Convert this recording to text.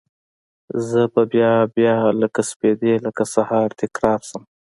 زه به بیا، بیا لکه سپیدې لکه سهار، تکرار شم